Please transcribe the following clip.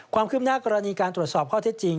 ความคืบหน้ากรณีการตรวจสอบข้อเท็จจริง